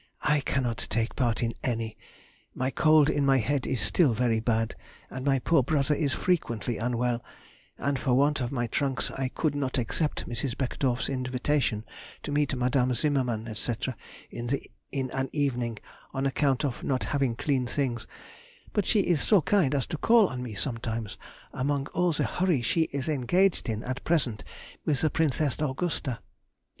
I cannot take part in any; my cold in my head is still very bad, and my poor brother is frequently unwell, and for want of my trunks I could not accept Mrs. Beckedorff's invitation to meet Madam Zimmermann, &c., in an evening, on account of not having clean things; but she is so kind as to call on me sometimes among all the hurry she is engaged in at present with the Princess Augusta.